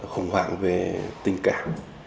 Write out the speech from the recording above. khủng hoảng về tình cảm